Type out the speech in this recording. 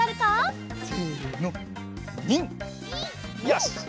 よし！